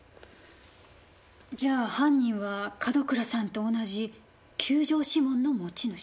じゃあ犯人は門倉さんと同じ弓状指紋の持ち主。